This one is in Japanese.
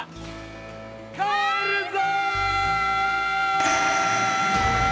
帰るぞ！